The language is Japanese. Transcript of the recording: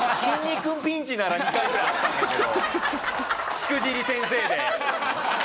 『しくじり先生』で。